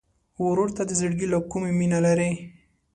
ورور ته د زړګي له کومي مینه لرې.